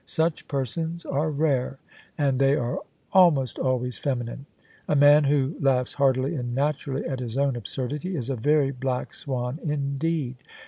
Such persons are rare; and they are almost always feminine. A man who laug^ heartily and naturally at his own absurdity, is a very black swan indeed.